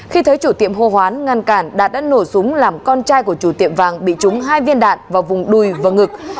khi thấy chủ tiệm hô hoán ngăn cản đạt đã nổ súng làm con trai của chủ tiệm vàng bị trúng hai viên đạn vào vùng đùi và ngực